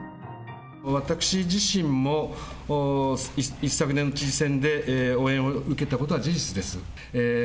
私自身も、一昨年の知事選で応援を受けたことは事実です。